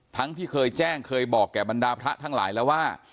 ที่เคยแจ้งเคยบอกแก่บรรดาพระทั้งหลายแล้วว่า